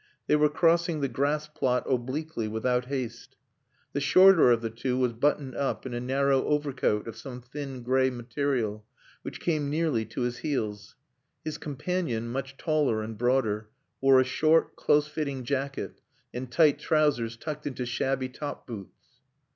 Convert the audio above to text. They were crossing the grass plot obliquely, without haste. The shorter of the two was buttoned up in a narrow overcoat of some thin grey material, which came nearly to his heels. His companion, much taller and broader, wore a short, close fitting jacket and tight trousers tucked into shabby top boots.